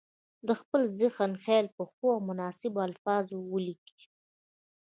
د خپل ذهن خیال په ښو او مناسبو الفاظو ولیکي.